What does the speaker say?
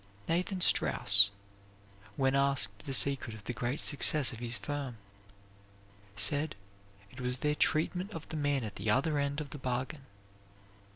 Nathan Straus, when asked the secret of the great success of his firm, said it was their treatment of the man at the other end of the bargain.